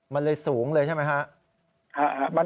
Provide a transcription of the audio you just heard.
มันเลยสูงเลยใช่ไหมครับ